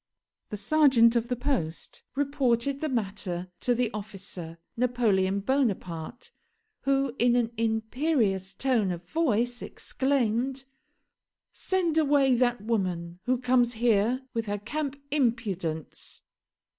The serjeant of the post reported the matter to the officer, Napoleon Bonaparte, who in an imperious tone of voice exclaimed: "Send away that woman, who comes here with her camp impudence."